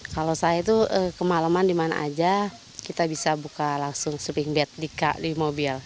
kalau saya itu kemalaman di mana saja kita bisa buka langsung sleeping bed di mobil